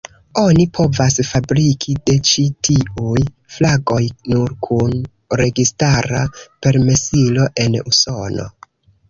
Oni povas fabriki de ĉi tiuj flagoj nur kun registara permesilo en Usono.